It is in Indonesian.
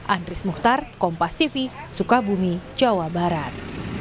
andris mukhtar kompas tv sukabumi jawa barat